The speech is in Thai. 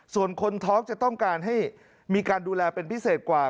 ส่วนคนท้องจะต้องการให้มีการดูแลเป็นพิเศษกว่า